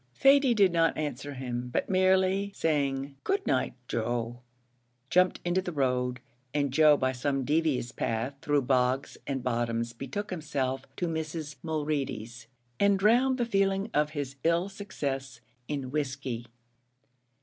Thady did not answer him, but merely saying, "Good night, Joe," jumped into the road, and Joe by some devious path, through bogs and bottoms, betook himself to Mrs. Mulready's, and drowned the feeling of his ill success in whiskey.